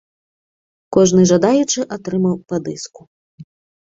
Кожны жадаючы атрымаў па дыску.